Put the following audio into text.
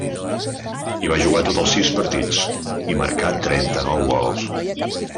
Hi va jugar tots sis partits, i marcà trenta-nou gols.